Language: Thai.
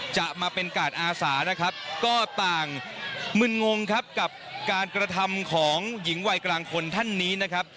จะมาเป็นกาดอาสานะครับก็ต่างมึนงงครับกับการกระทำของหญิงวัยกลางคนท่านนี้นะครับ